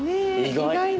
意外。